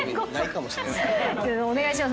お願いします。